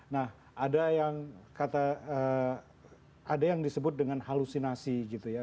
nah ada yang disebut dengan halusinasi gitu ya